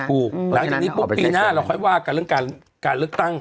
หลังจากนี้ปุ๊บปีหน้าเราค่อยว่ากันเรื่องการเลือกตั้ง